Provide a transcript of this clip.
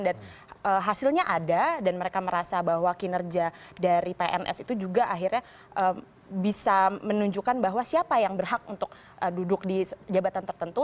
dan hasilnya ada dan mereka merasa bahwa kinerja dari pns itu juga akhirnya bisa menunjukkan bahwa siapa yang berhak untuk duduk di jabatan tertentu